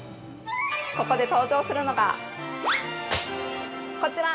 ここで登場するのが、こちら！